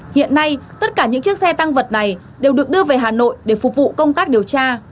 hiện nay tất cả những chiếc xe tăng vật này đều được đưa về hà nội để phục vụ công tác điều tra